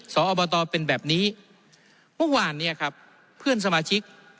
สอบตเป็นแบบนี้เมื่อวานเนี่ยครับเพื่อนสมาชิก